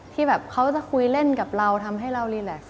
ที่แบบเขาจะคุยเล่นกับเราทำให้เรารีแล็กซ